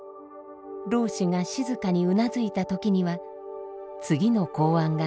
老師が静かにうなずいた時には次の公案が授けられます。